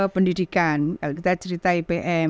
pendidikan kita cerita ipm